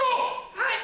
はい！